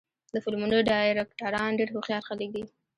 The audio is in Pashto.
د فلمونو ډایرکټران ډېر هوښیار خلک دي.